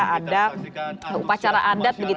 ada upacara adat